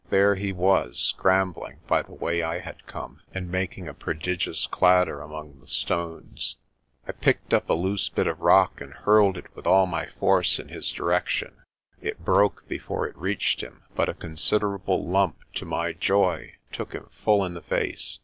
There he was scrambling by the way I had come, and making a prodigious clatter among the stones. I picked up a loose bit of rock and hurled it with all my force in his direction. It broke before it reached him, but a considerable lump to my joy took him full in the face.